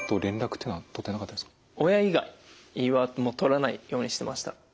親以外はもう取らないようにしてました。